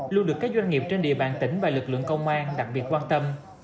luôn được các doanh nghiệp trên địa bàn tỉnh và lực lượng công an đặc biệt quan tâm